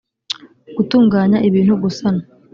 gutunganya ibintu gusana